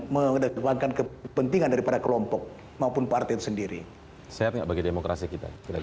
mengedepankan kepentingan daripada kelompok maupun partai sendiri sehatnya bagi demokrasi kita tidak